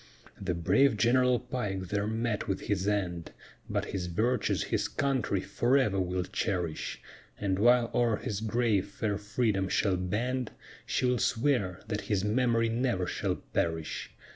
The brave General Pike there met with his end; But his virtues his country forever will cherish: And while o'er his grave fair Freedom shall bend, She will swear that his memory never shall perish.